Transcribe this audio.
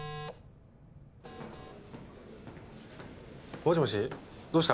もしもしどうした？